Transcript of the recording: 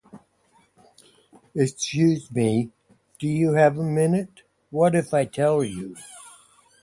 Excuse me, do you have a minute? What if I tell you.